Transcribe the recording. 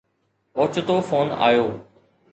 اوچتو فون آيو